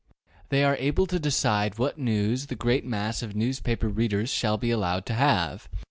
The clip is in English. They are able to decide what news the great mass of newspaper readers shall be allowed to have.